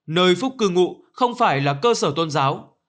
nơi phúc cư ngụ không phải là cơ sở tôn giáo